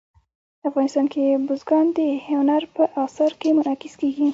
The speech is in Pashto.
افغانستان کې بزګان د هنر په اثار کې منعکس کېږي.